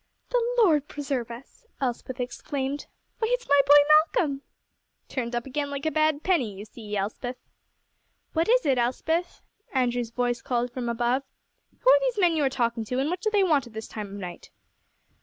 "The Lord preserve us!" Elspeth exclaimed. "Why, it's my boy Malcolm!" "Turned up again like a bad penny, you see, Elspeth." "What is it, Elspeth?" Andrew's voice called from above. "Who are these men you are talking to, and what do they want at this time of night?"